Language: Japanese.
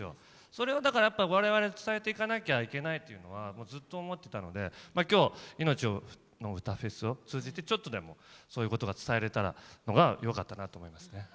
それをだからやっぱ我々伝えていかなきゃいけないというのはもうずっと思ってたので今日「いのちのうたフェス」を通じてちょっとでもそういうことが伝えれたのがよかったなと思いますね。